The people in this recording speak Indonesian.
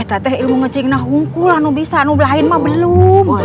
eh teteh ilmu ngecing nahungkul anu bisa anu lain mah belum